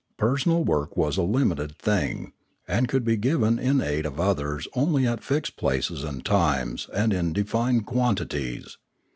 Per sonal work was a limited thing, and could be given in aid of others only at fixed places and times and in defined quantities.